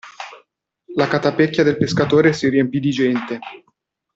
La catapecchia del pescatore si riempì di gente.